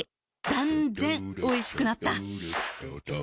断然おいしくなった